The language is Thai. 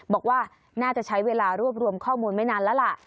บอกว่าน่าจะใช้เวลารวบรวมข้อมูลไม่นานแล้วล่ะ